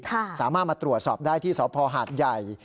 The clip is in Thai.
สามารถมาตรวจสอบได้ที่สพหาดใหญ่